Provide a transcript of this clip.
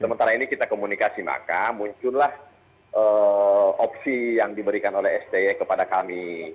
sementara ini kita komunikasi maka muncullah opsi yang diberikan oleh sti kepada kami